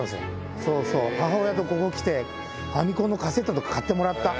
そうそう、母親とここ来て、ファミコンのカセットとか買ってもらった。